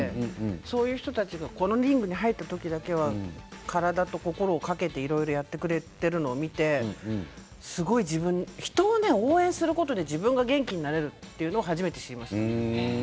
そういう人たちがこのリングに入った時には体と心をかけていろいろやってくれているのを見てすごく自分人を応援することで自分が元気になるということを初めて知りました。